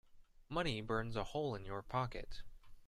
Money burns a hole in your pocket.